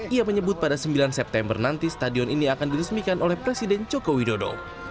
ia menyebut pada sembilan september nanti stadion ini akan diresmikan oleh presiden joko widodo